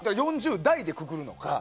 ４０台でくくるのか。